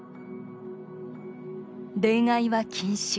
恋愛は禁止。